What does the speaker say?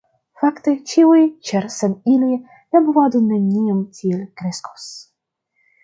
Fakte, ĉiuj, ĉar sen ili, la movado neniam tiel kreskos.